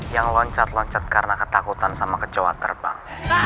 yang loncat loncat karena ketakutan sama kecewa terbang